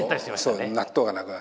納豆がなくなった。